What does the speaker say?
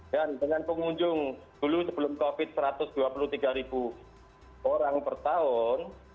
dan dengan pengunjung dulu sebelum covid satu ratus dua puluh tiga orang per tahun